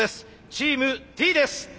チームＴです！